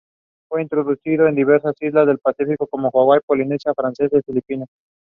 The title of his dissertation was "Plasma Computer Simulation Using Sheet Current Model".